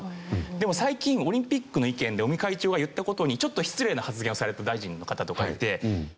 でも最近オリンピックの意見で尾身会長が言った事にちょっと失礼な発言をされた大臣の方とかがいて。